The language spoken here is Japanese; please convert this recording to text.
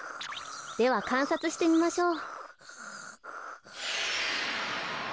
ではかんさつしてみましょう。